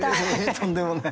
とんでもない。